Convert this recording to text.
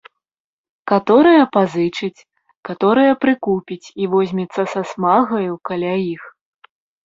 Каторыя пазычыць, каторыя прыкупіць і возьмецца са смагаю каля іх.